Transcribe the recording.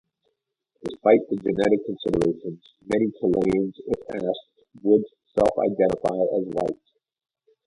Despite the genetic considerations, many Chileans, if asked, would self-identify as white.